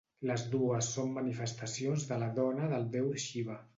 Les dues són manifestacions de la dona del déu Xiva.